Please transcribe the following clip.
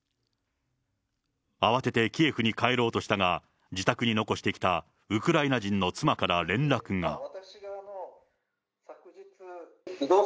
慌ててキエフに帰ろうとしたが、自宅に残してきたウクライナ人の妻から連絡が。